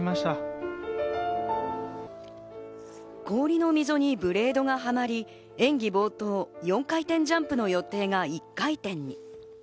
氷の溝にブレードがはまり、演技冒頭４回転ジャンプの予定が１回転に。